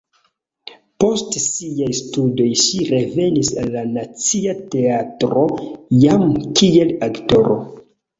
Post siaj studoj ŝi revenis al la Nacia Teatro jam kiel aktoro.